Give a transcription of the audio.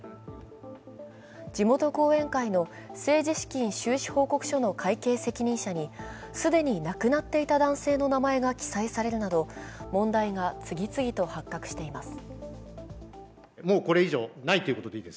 地元後援会の政治資金収支報告書の会計責任者に既に亡くなっていた男性の名前が記載されるなど問題が次々と発覚しています。